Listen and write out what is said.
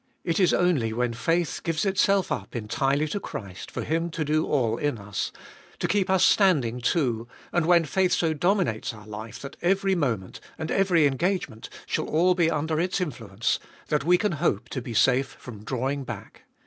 It is only when faith gives itself up entirely to Christ for Him to do all in us, to keep us standing too, and when faith so dominates our life that every moment and every engagement shall all be under its influence, that we can hope to be safe from drawing back.